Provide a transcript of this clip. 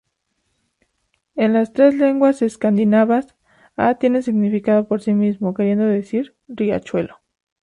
En las tres lenguas escandinavas, å tiene significado por sí mismo, queriendo decir "riachuelo".